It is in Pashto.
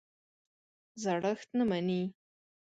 زړښت نه مني.